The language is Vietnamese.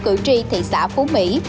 cử tri thị xã phú mỹ